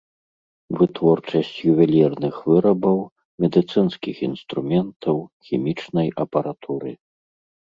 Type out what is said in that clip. Вытворчасць ювелірных вырабаў, медыцынскіх інструментаў, хімічнай апаратуры.